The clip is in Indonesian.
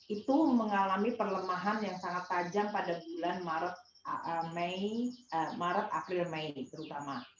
itu mengalami perlemahan yang sangat tajam pada bulan maret april mei terutama